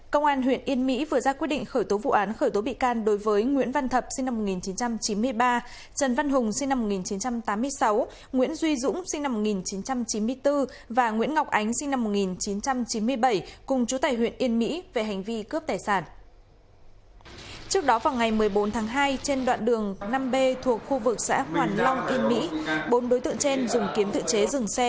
các bạn hãy đăng ký kênh để ủng hộ kênh của chúng mình nhé